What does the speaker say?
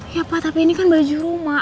ya pak tapi ini kan baju rumah